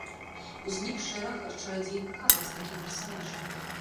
Узнік шэраг чарадзейных казак з такім персанажам.